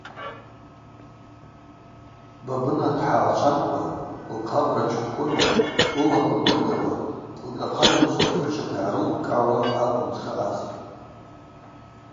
Бабына дхӏагӏачвамкӏва, лхъабра чхвхвыруа, лылаква гвыргъьауа, лшӏахъа йлышву ачгӏвычаква йгӏарылкӏкӏгӏауа акӏвын дшаъаз.